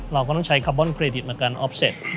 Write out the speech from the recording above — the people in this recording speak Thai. เราก็ต้องใช้คาร์บอนเครดิตในการออฟเสร็จ